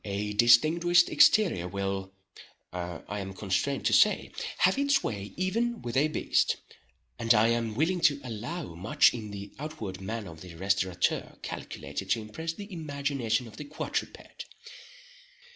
A distinguished exterior will, I am constrained to say, have its way even with a beast; and I am willing to allow much in the outward man of the restaurateur calculated to impress the imagination of the quadruped.